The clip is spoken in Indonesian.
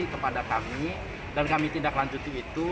kepada kami dan kami tidak lanjut itu